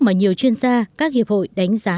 mà nhiều chuyên gia các hiệp hội đánh giá